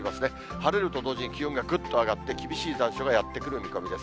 晴れると同時にぐっと気温が上がって、厳しい残暑がやって来る見込みです。